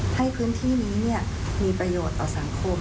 ให้พื้นที่นี้มีประโยชน์ต่อสังคม